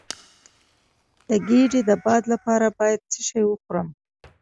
د ګیډې د باد لپاره باید څه شی وخورم؟